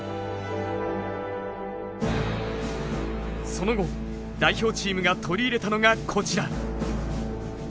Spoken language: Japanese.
その後代表チームが取り入れたのがこちら。